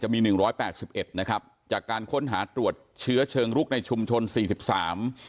มีหนึ่งร้อยแปดสิบเอ็ดนะครับจากการค้นหาตรวจเชื้อเชิงลุกในชุมชนสี่สิบสาม